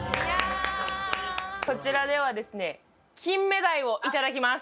こちらではですね金目鯛を頂きます。